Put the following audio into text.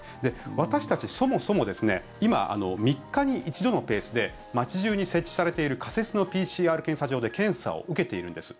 私たちはそもそも今、３日に一度のペースで街中に設置されている仮設のＰＣＲ検査場で検査を受けているんです。